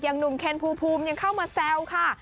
หยังหนุ่มเคนพูมยังเข้ามาแซ่วค่ะ